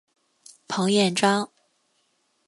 彭彦章。